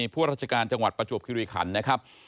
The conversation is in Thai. พวกราชการจังหวัดประจวบคิริขันนะครับ